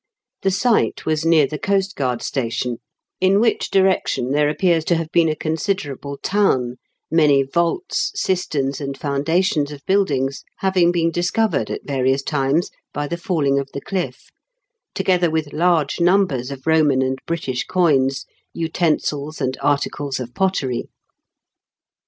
The site was near the coastguard station, in which direction there appears to have been a considerable town, many vaults, cisterns, and foundations of buildings having been discovered at various times by the falling of the cliff, together with large numbers of Roman and British coins, utensils, and articles of pottery.